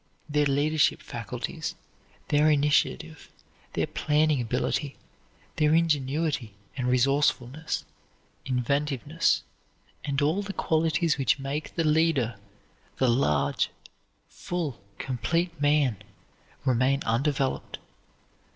Their leadership faculties, their initiative, their planning ability, their ingenuity and resourcefulness, inventiveness, and all the qualities which make the leader, the large, full, complete man, remain undeveloped.